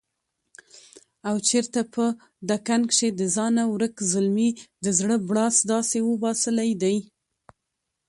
او چرته په دکن کښې دځانه ورک زلمي دزړه بړاس داسې وباسلے دے